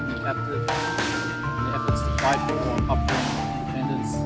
mereka berjuang untuk menangkap pemerintah papua